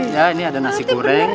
ya ini ada nasi goreng